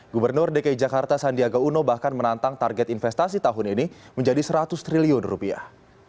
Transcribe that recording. gubernur dki jakarta sandiaga uno bahkan menantang target investasi tahun ini menjadi seratus triliun rupiah